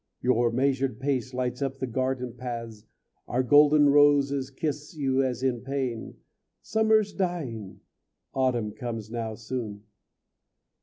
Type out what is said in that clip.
Your measured pace lights up our garden paths, Our golden roses kiss you as in pain; Summer's dying; autumn comes now soon.